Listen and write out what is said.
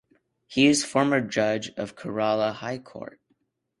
He is former Judge of Kerala High Court.